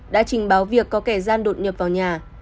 đã trình báo việc có kẻ gian đột nhập vào nhà